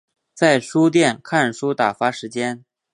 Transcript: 在书店看书打发时间